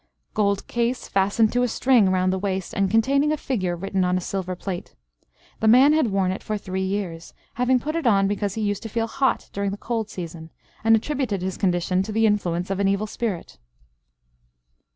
Gold case fastened to a string round the waist, and containing a figure written on a silver plate. The man had worn it for three years, having put it on because he used to feel hot during the cold season, and attributed his condition to the influence of an evil spirit.